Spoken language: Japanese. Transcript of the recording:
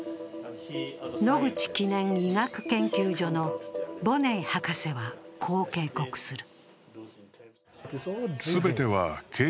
野口記念医学研究所のボネイ博士は、こう警告する。